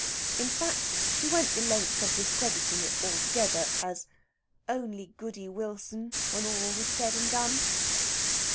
In fact, she went the length of discrediting it altogether, as "Only Goody Wilson, when all was said and done."